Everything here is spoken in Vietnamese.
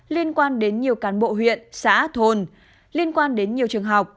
liên quan đến nhiều cán bộ huyện xã thôn liên quan đến nhiều trường học